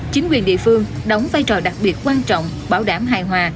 chính quyền địa phương đóng vai trò đặc biệt quan trọng bảo đảm hài hòa